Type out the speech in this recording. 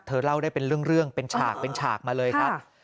เธอเล่าได้เป็นเรื่องเป็นฉากมาเลยครับ